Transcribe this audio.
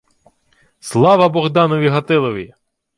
— Слава Богданові Гатилові!